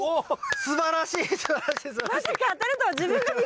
すばらしい。